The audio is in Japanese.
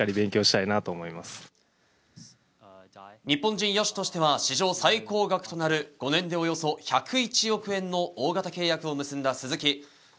日本人野手としては史上最高額となる５年で、およそ１０１億円の大型契約を結んだ鈴木。